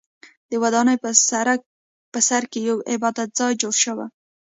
د ودانۍ په سر کې یو عبادت ځای جوړ شوی و.